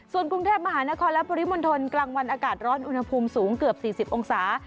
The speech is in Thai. ส่วนกรุงเทพมหานครและปริมณฑลกลางวันอากาศร้อนอุณหภูมิสูงเกือบ๔๐องศา